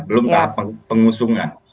belum tahap pengusungan